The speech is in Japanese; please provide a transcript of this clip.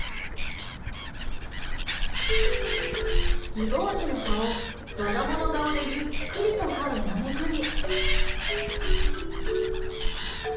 ギボウシの葉をわが物顔でゆっくりと這うナメクジ。